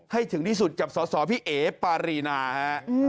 ให้ถึงที่สุดกับสสพี่เอ๋ปารีนาฮะ